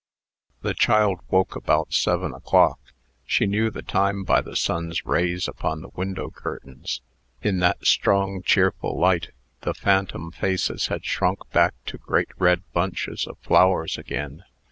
The child woke about seven o'clock. She knew the time by the sun's rays upon the window curtains. In that strong, cheerful light, the phantom faces had shrunk back to great red bunches of flowers again.